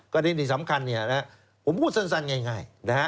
ประเด็นที่สำคัญผมพูดสั้นง่าย